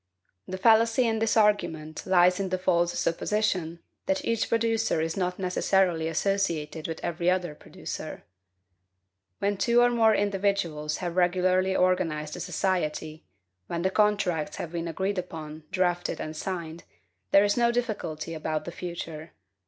The fallacy in this argument lies in the false supposition, that each producer is not necessarily associated with every other producer. When two or more individuals have regularly organized a society, when the contracts have been agreed upon, drafted, and signed, there is no difficulty about the future.